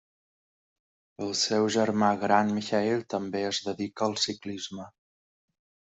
El seu germà gran Michael també es dedica al ciclisme.